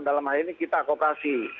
dalam hal ini kita kooperasi